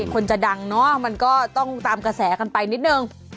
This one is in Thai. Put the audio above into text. คนจะดังเนอะมันก็ต้องตามกระแสกันไปนิดนึง